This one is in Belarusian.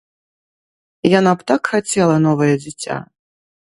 Яна б так хацела новае дзіця.